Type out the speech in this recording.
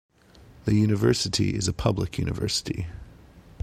The university is a public university.